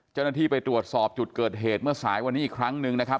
เจ้าหน้าที่ไปตรวจสอบจุดเกิดเหตุเมื่อสายวันนี้อีกครั้งหนึ่งนะครับ